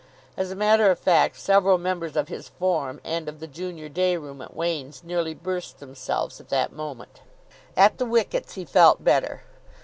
As a matter of fact, several members of his form and of the junior day room at Wain's nearly burst themselves at that moment. At the wickets, he felt better.